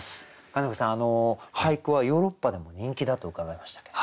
金子さん俳句はヨーロッパでも人気だと伺いましたけど。